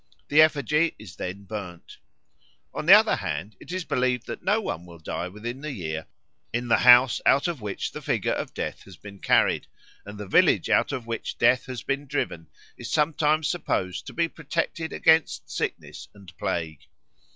The effigy is then burned. On the other hand, it is believed that no one will die within the year in the house out of which the figure of Death has been carried; and the village out of which Death has been driven is sometimes supposed to be protected against sickness and plague.